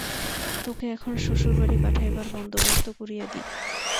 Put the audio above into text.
তোকে এখন শ্বশুরবাড়ি পাঠাইবার বন্দোবস্ত করিয়া দিই।